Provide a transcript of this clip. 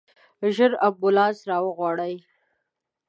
ژر امبولانس راوغواړئ.